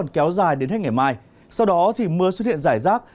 kéo dài đến hết ngày mai sau đó thì mưa xuất hiện rải rác